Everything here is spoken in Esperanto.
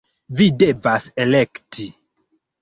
- Vi devas elekti!